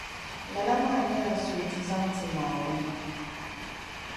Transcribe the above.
Lala maa nyɛla soochi n-zaŋ ti Naawuni.